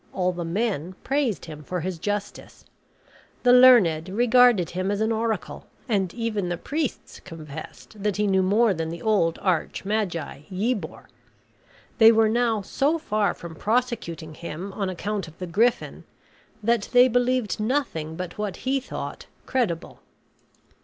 All the men praised him for his justice. The learned regarded him as an oracle; and even the priests confessed that he knew more than the old arch magi Yebor. They were now so far from prosecuting him on account of the griffin, that they believed nothing but what he thought credible.